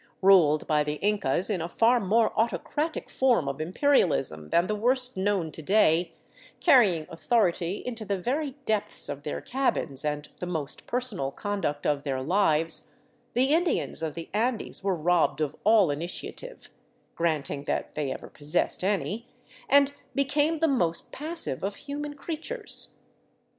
Ruled by the Incas in a far more autocratic form of imperialism than the worst known to day, carrying authority into the very depths of their cabins and the most personal conduct of their lives, the Indians of the Andes were robbed of all initiative — granting that they ever possessed any — and became the most passive of human creatures.